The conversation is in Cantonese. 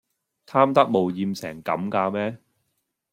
貪得無厭成咁㗎咩